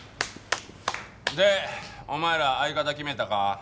でお前ら相方決めたか？